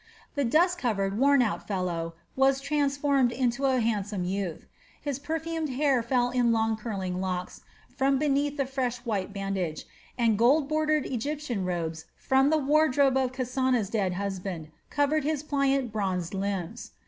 The dust covered, worn out fellow was transformed into a handsome youth. His perfumed hair fell in long curling locks from beneath the fresh white bandage, and gold bordered Egyptian robes from the wardrobe of Kasana's dead husband covered his pliant bronzed limbs.